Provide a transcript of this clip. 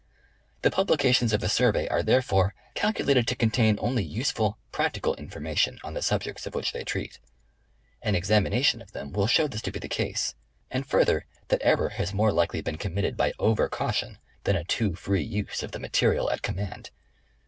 The publications of the Survey are, therefore, calculated to con tain only useful, practical information, on the subjects of which they treat. An examination of them will show this to be the case, and further, that error has more likely been committed by over caution, than a too free use of the material at command.